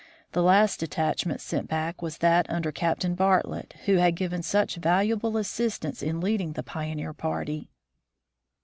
The last detach ment sent back was that under Captain Bartlett, who had given such valuable assistance in leading the pioneer party.